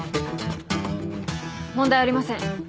問題ありません。